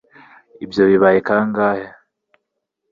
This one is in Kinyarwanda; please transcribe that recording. Ibyo bibaye kangahe